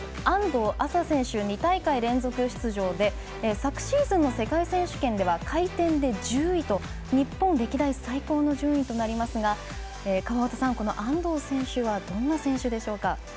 安藤麻選手、２大会連続出場で昨シーズンの世界選手権では回転で１０位と日本歴代最高の順位となりますが川端さん、安藤選手はどんな選手でしょうか？